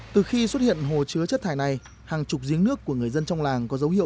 từ khi xuất hiện hồ chứa chất thải này hàng chục giếng nước của người dân trong làng có dấu hiệu